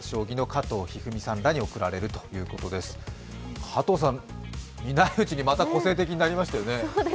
加藤さん、みないうちにまた個性的になりましたね。